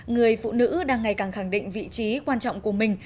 người phụ nữ đang ngày càng khẳng định vị trí quan trọng của mình